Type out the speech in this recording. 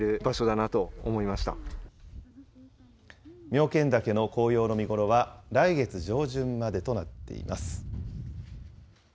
妙見岳の紅葉の見頃は、来月上旬までとなっています。